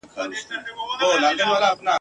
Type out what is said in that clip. او چي روږد سي د بادار په نعمتونو ..